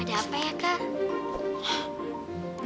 ada apa ya kak